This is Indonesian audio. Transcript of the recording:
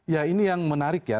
ya ini yang menarik ya